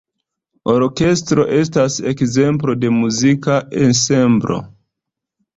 Orkestro estas ekzemplo de muzika ensemblo.